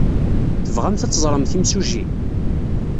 Tebɣamt ad teẓremt imsujji?